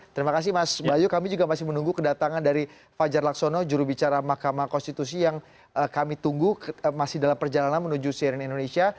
terima kasih mas bayu kami juga masih menunggu kedatangan dari fajar laksono jurubicara mahkamah konstitusi yang kami tunggu masih dalam perjalanan menuju cnn indonesia